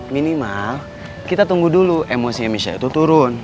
minimal kita tunggu dulu emosinya misalnya itu turun